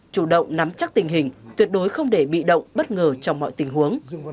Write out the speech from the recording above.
chủ động nắm chắc tình hình tuyệt đối không để bị động bất ngờ trong mọi tình huống